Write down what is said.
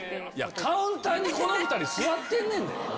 カウンターにこの２人座ってんねんで。